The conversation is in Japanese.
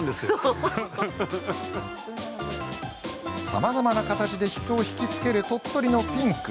さまざまな形で人をひきつける鳥取のピンク。